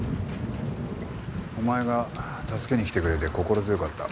お前が助けに来てくれて心強かった。